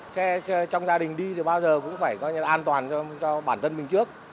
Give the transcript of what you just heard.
xe trong gia đình đi thì bao giờ cũng phải coi như là an toàn cho bản thân mình trước